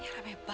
s pumpi ayah